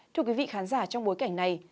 thưa quý vị khán giả trong bối cảnh này